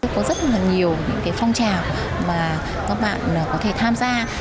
có rất nhiều phong trào mà các bạn có thể tham gia